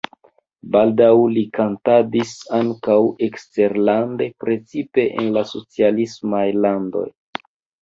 Baldaŭ li kantadis ankaŭ eksterlande, precipe en la socialismaj landoj.